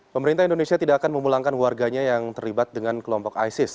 pemerintah indonesia tidak akan memulangkan warganya yang terlibat dengan kelompok isis